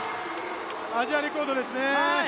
アジアレコードですね。